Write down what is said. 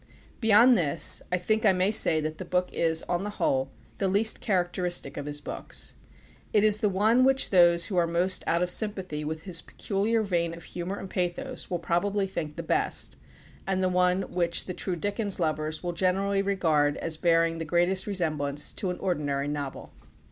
Beyond this, I think I may say that the book is, on the whole, the least characteristic of his books. It is the one which those who are most out of sympathy with his peculiar vein of humour and pathos will probably think the best, and the one which the true Dickens lovers will generally regard as bearing the greatest resemblance to an ordinary novel.